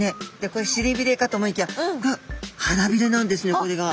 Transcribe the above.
これしりびれかと思いきやはらびれなんですねこれが。